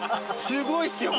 すごいっすよ！